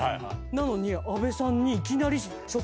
なのに阿部さんにいきなり初対面で。